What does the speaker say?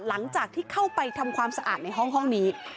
หลังจากที่เข้าไปทำความสะอาดในห้องนี้